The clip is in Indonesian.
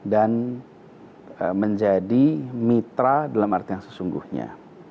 dan menjadi mitra dalam arti yang sesungguhnya